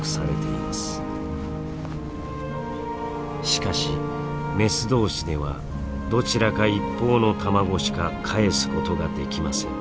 しかしメス同士ではどちらか一方の卵しかかえすことができません。